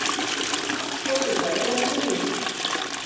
Pozik daudela dirudi!